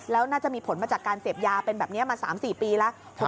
แล้วน่าจะมีผลมาจากการเสพยาเป็นแบบนี้มา๓๔ปีแล้ว